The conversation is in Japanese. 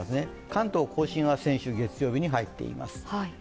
関東甲信は先週月曜日に入っています。